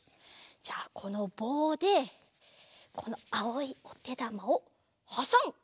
じゃこのぼうでこのあおいおてだまをはさむ！